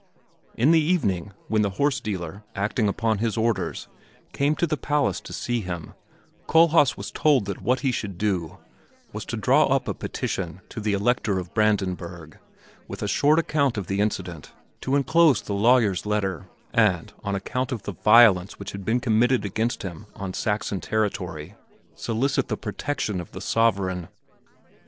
In the evening, when the horse dealer, acting upon his orders, came to the palace to see him, Kohlhaas was told that what he should do was to draw up a petition to the Elector of Brandenburg, with a short account of the incident, to inclose the lawyer's letter, and, on account of the violence which had been committed against him on Saxon territory, solicit the protection of the sovereign.